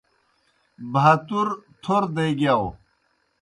بَھاتُور تھور دے گِیاؤ۔